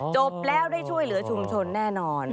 จบแล้วได้ช่วยเหลือชุมชนแน่นอน